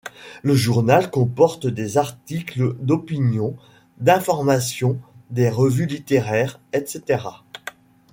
Le journal comporte des articles d'opinions, d'informations, des revues littéraires, etc.